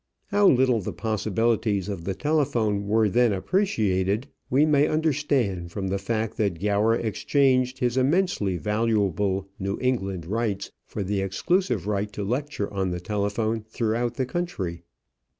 How little the possibilities of the telephone were then appreciated we may understand from the fact that Gower exchanged his immensely valuable New England rights for the exclusive right to lecture on the telephone throughout the country.